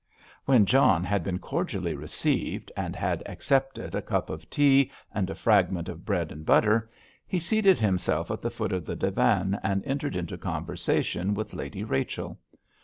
When John had been cordially received, and had accepted a cup of tea and a fragment of bread and butter, he seated himself at the foot of the divan and entered into conversation with Lady Rachel.